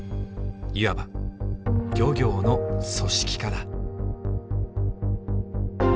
いわば漁業の組織化だ。